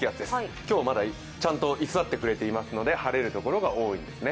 今日まだちゃんと居座ってくれていますので晴れる所が多いんですね。